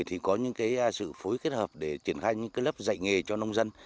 thì có những cái sự phối kết hợp để triển khai những cái lớp dạy nghề cho nông dân